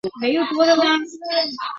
宣告了水运时代的结束